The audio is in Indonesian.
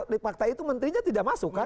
di fakta itu menterinya tidak masuk kan